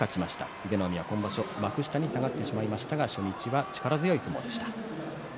英乃海は今場所、幕下に下がってしまいましたが初日は力強い相撲でした。